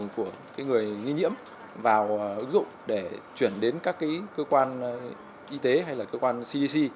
của người nghi nhiễm vào ứng dụng để chuyển đến các cơ quan y tế hay là cơ quan cdc